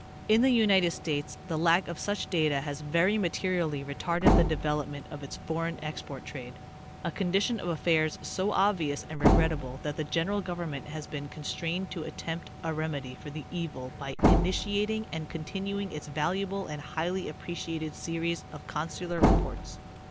In the United States the lack of such data has very materially retarded the development of its foreign export trade— a condition of affairs so obvious and regrettable that the general government has been constrained to attempt a remedy for the evil by initiating and continuing its valuable and highly appre ciated series of consular reports.